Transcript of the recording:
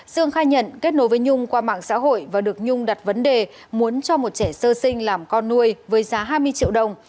dương khai nhận kết nối với nhung qua mạng xã hội và được nhung đặt vấn đề muốn cho một trẻ sơ sinh làm con nuôi với giá hai mươi triệu đồng